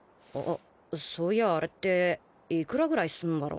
そういやあれって幾らぐらいすんだろ？